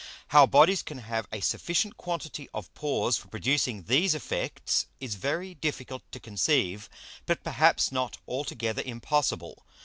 How Bodies can have a sufficient quantity of Pores for producing these Effects is very difficult to conceive, but perhaps not altogether impossible.